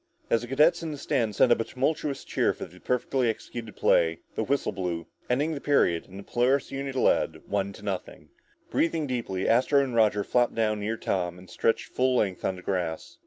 As the cadets in the stands sent up a tumultuous cheer for the perfectly executed play, the whistle blew, ending the period and the Polaris unit led, one to nothing. Breathing deeply, Astro and Roger flopped down near Tom and stretched full length on the grass.